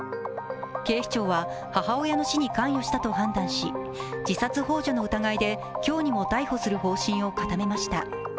警視庁は母親の死に関与したと判断し、自殺ほう助の疑いで今日にも逮捕する方針を固めました。